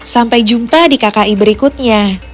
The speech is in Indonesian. sampai jumpa di kki berikutnya